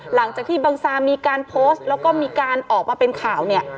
หลังจากที่บังซามีการโพสต์แล้วก็มีการออกมาเป็นข่าวเนี่ย